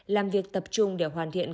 làm việc tập trung để hoàn thiện